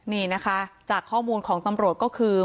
นี่นะคะจากข้อมูลของตำรวจก็คือ